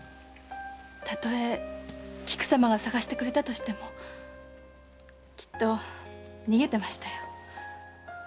たとえ菊様が捜してくれたとしてもきっと逃げてましたよ。